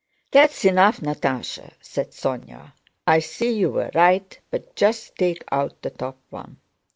"That's enough, Natásha," said Sónya. "I see you were right, but just take out the top one."